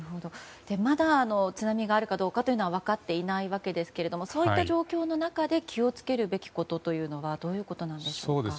まだ津波があるかどうかは分かっていないわけですがそういった状況の中で気を付けるべきことはどういうことでしょうか。